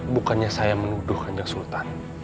bukannya saya menuduh hanya sultan